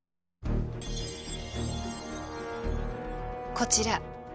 こちら。